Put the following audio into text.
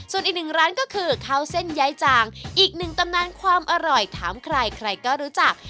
ส่วนอีกหนึ่งร้านก็คือข้าวเส้นย้ายจางอีกหนึ่งตำนานความอร่อยถามใครใครก็รู้จัก